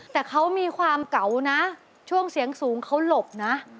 แต่เขามีความเก่านะช่วงเสียงสูงเขาหลบนะ